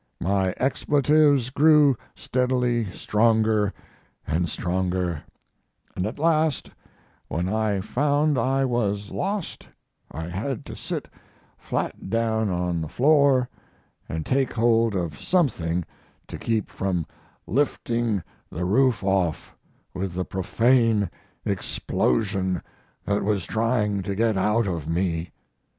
My expletives grew steadily stronger and stronger, and at last, when I found I was lost, I had to sit flat down on the floor and take hold of something to keep from lifting the roof off with the profane explosion that was trying to get out of me.